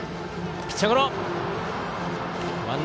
ピッチャーゴロ。